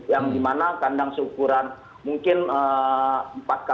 yang dimana kandang seukuran mungkin empat x empat